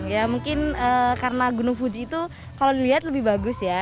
ya mungkin karena gunung fuji itu kalau dilihat lebih bagus ya